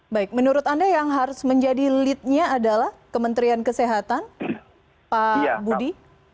baik menurut anda yang harus menjadi leadnya adalah kementerian kesehatan pak budi